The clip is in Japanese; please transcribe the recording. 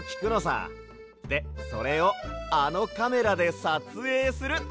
でそれをあのカメラでさつえいする！